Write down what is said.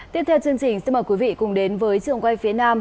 tiếp theo chương trình xin mời quý vị cùng đến với trường quay phía nam